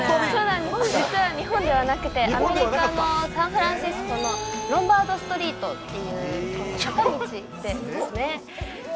実は日本ではなくてアメリカのサンフランシスコのロンバード・ストリートという坂道ですね。